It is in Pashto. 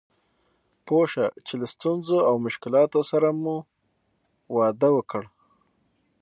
پوه شه چې له ستونزو او مشکلاتو سره مو واده وکړ.